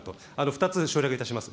２つ省略いたします。